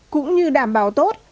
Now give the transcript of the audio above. cũng như đảm bảo tốt